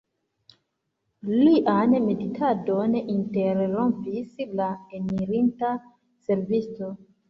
Lian meditadon interrompis la enirinta servisto.